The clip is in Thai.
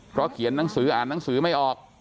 เพราะเขียนหนังสืออ่านหนังสือไม่ออก